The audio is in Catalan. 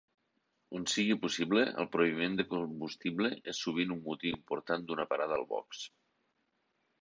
On sigui possible, el proveïment de combustible és sovint un motiu important d'una parada al box.